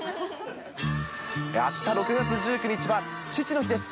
あした６月１９日は父の日です。